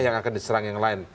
yang akan diserang yang lain